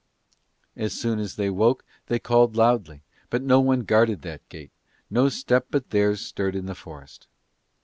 As soon as they woke they called loudly, but no one guarded that gate, no step but theirs stirred in the forest.